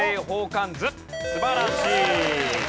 素晴らしい！